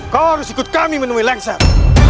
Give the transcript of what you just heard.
kau harus ikut kami menemui lengser